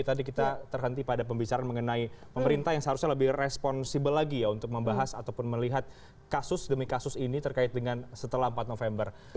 tadi kita terhenti pada pembicaraan mengenai pemerintah yang seharusnya lebih responsibel lagi ya untuk membahas ataupun melihat kasus demi kasus ini terkait dengan setelah empat november